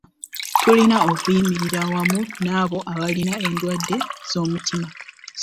Tulina okuyimirira awamu n'abo abalina endwadde z'omutima